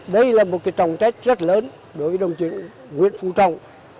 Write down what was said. đây là một cái trọng tác rất lớn đối với đồng chí nguyễn phú trọng